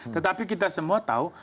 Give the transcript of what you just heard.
tetapi kita semua tahu